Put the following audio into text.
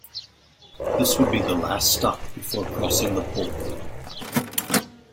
This would be the last stop before crossing the pole.